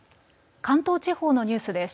関東地方のニュースです。